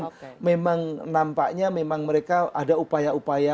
dalam artian memang nampaknya memang mereka ada upaya upaya